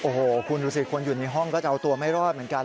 โอ้โหคุณดูสิคนอยู่ในห้องก็จะเอาตัวไม่รอดเหมือนกัน